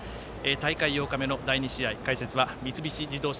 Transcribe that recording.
大会８日目の第２試合解説は三菱自動車